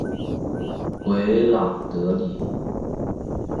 维朗德里。